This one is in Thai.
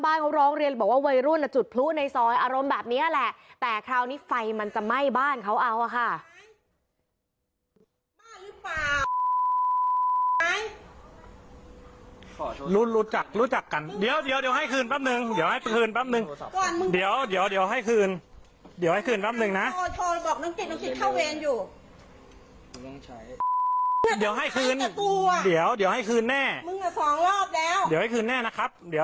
อารมณ์แบบนี้แหละแต่คราวนี้ไฟมันจะไหม้บ้านเขาเอาอ่ะค่ะ